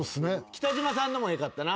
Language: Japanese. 北島さんのよかったな。